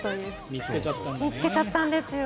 見つけちゃったんだね。